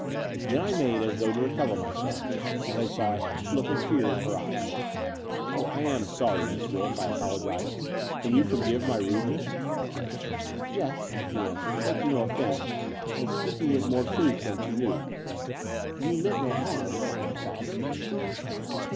Then I made as though to recover myself, as I saw a half look of fear in her eyes. "Oh, I am sorry. Miss Wolff," I apologized. "Can you forgive my rudeness?" "Yes," she answered, taking no offence and speaking with more truth than she knew, "you meant no harm: but my father